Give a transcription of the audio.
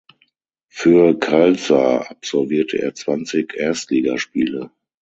Für Khalsa absolvierte er zwanzig Erstligaspiele.